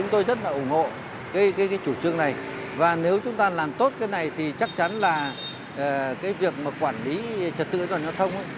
tôi rất là ủng hộ cái chủ trương này và nếu chúng ta làm tốt cái này thì chắc chắn là cái việc mà quản lý trật tự an toàn giao thông